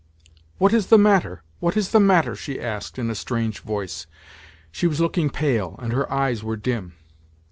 "What is the matter? What is the matter?" she asked in a strange voice. She was looking pale, and her eyes were dim.